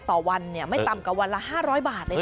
ต่อวันไม่ต่ำกว่าวันละ๕๐๐บาทเลยนะ